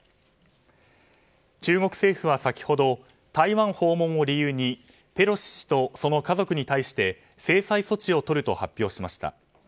中国政府は先ほど台湾訪問を理由にペロシ氏とその家族に対して制裁措置をとると発表しました。